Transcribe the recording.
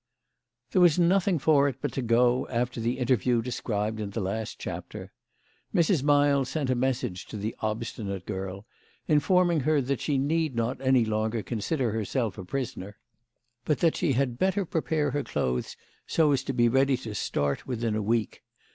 THERE was nothing for it but to go, after the inter view described in the last chapter. Mrs. Miles sent a message to the obstinate girl, informing her that she need not any longer consider herself as a prisoner, but 152 THE LADY OF LAUNAY. that she had better prepare her clothes so as to be ready to start within a week.